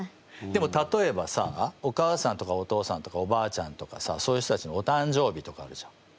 でも例えばさお母さんとかお父さんとかおばあちゃんとかさそういう人たちのお誕生日とかあるじゃん。